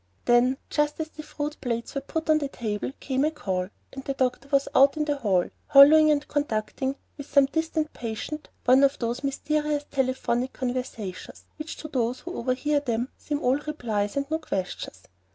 And then, just as the fruit plates were put on the table, came a call, and the doctor was out in the hall, "holloing" and conducting with some distant patient one of those mysterious telephonic conversations which to those who overhear seem all replies and no questions.